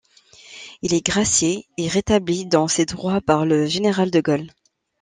Il est gracié et rétabli dans ses droits par le général de Gaulle.